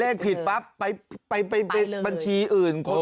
เลขผิดปั๊บไปบัญชีอื่น